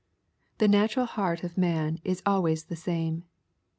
The natural heart of man is always the same.